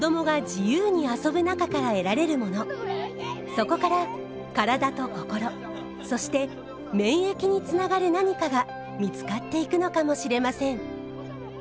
そこから体と心そして免疫につながる何かが見つかっていくのかもしれません。